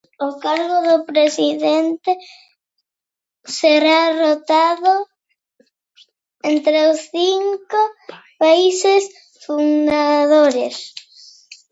El cargo de presidente será rotada entre los cinco países fundadores.